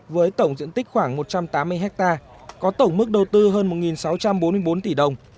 với tổng diện tích khoảng một trăm tám mươi hectare có tổng mức đầu tư hơn một sáu trăm bốn mươi bốn tỷ đồng